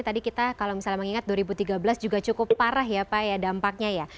tadi kita kalau misalnya mengingat dua ribu tiga belas juga cukup parah ya pak ya dampaknya ya